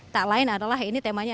tak lain adalah ini temanya